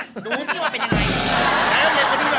ดูนี่ว่าเป็นอย่างไร